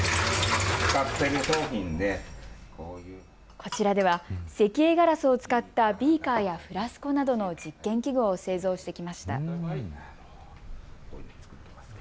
こちらでは石英ガラスを使ったビーカーやフラスコなどの実験器具を製造してきました。